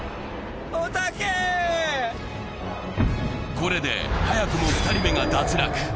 これで早くも２人目が脱落。